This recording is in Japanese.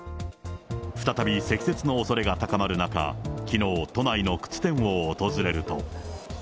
再び積雪のおそれが高まる中、きのう、都内の靴店を訪れると。